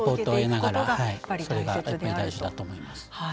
それが大事だと思います。